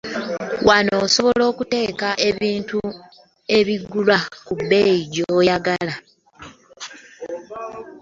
Wano osobola okuteekawo ebintu ebabigula ku bbeeyi gy'oyagala.